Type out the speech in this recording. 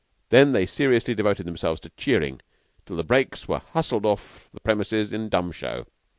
Then they seriously devoted themselves to cheering till the brakes were hustled off the premises in dumb show.